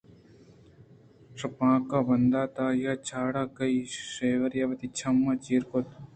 شپانک ءَ بندات ءَ آ چاڑ کہّی ءُ شیواری وتی چمّ ءِ چیرا کُت